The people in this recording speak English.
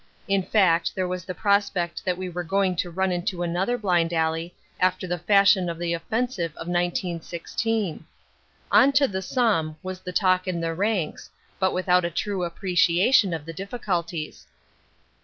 In fact there was the prospect that we were going to run into another blind alley after the fashion of the offensive of 1916. "On to the Somme", was the talk in the ranks, but without a true appreciation of the difficulties.